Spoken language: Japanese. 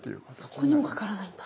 そこにもかからないんだ。